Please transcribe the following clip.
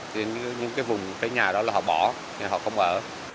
thì những cái vùng cái nhà đó là họ bỏ nên họ không ở